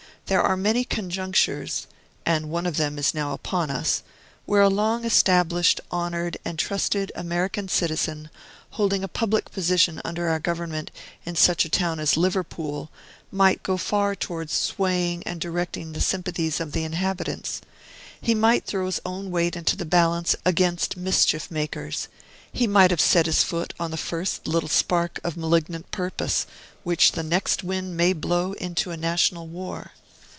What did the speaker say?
There are many conjunctures (and one of them is now upon us) where a long established, honored, and trusted American citizen, holding a public position under our government in such a town as Liverpool, might go far towards swaying and directing the sympathies of the inhabitants. He might throw his own weight into the balance against mischief makers; he might have set his foot on the first little spark of malignant purpose, which the next wind may blow into a national war.